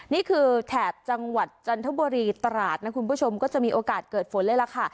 แถบจังหวัดจันทบุรีตราดนะคุณผู้ชมก็จะมีโอกาสเกิดฝนเลยล่ะค่ะ